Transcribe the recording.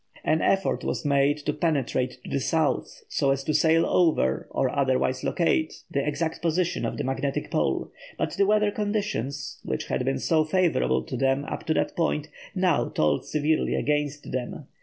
An effort was made to penetrate to the South so as to sail over, or otherwise locate, the exact position of the magnetic pole; but the weather conditions, which had been so favourable to them up to that point, now told severely against them.